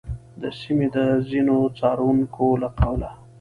د سیمې د ځینو څارونکو له قوله،